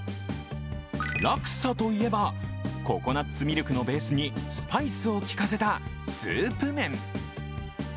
ラクサといえば、ココナッツミルクのベースにスパイスをきかせたスープ麺。